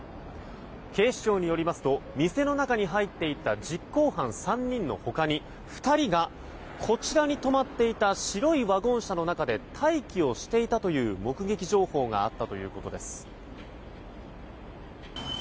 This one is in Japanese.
警視庁によりますと店の中に入っていた実行犯３人の他に２人がこちらに止まっていた白いワゴン車の中で待機をしていたという目撃情報があったということです。